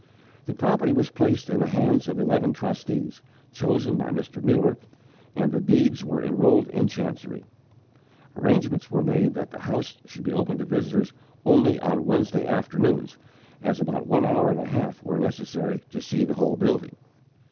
The property was placed in the hands of eleven trustees, chosen by Mr. Muller, and the deeds were enrolled in chancery. Arrangements were made that the house should be open to visitors only on Wednesday afternoons, as about one hour and a half were necessary to see the whole building.